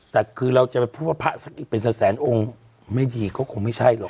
แต่คือเราจะไปพูดว่าพระสักกี่เป็นแสนองค์ไม่ดีก็คงไม่ใช่หรอก